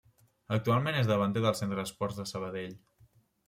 Actualment és davanter del Centre d'Esports Sabadell.